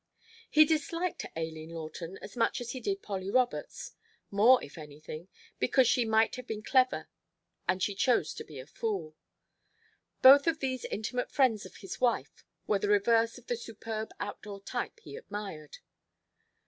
He disliked Aileen Lawton as much as he did Polly Roberts; more, if anything, because she might have been clever and she chose to be a fool. Both of these intimate friends of his wife were the reverse of the superb outdoor type he admired.